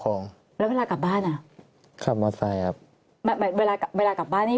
เกิดจากการโดนทำอะไรคะ